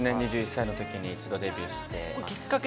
２１歳の時に一度デビューして。